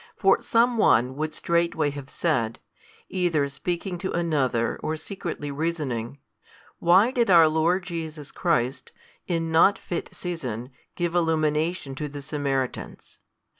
For some one would straightway have said, either speaking to another, or secretly reasoning, Why did our Lord Jesus Christ, in not fit season, give illumination to the Samaritans?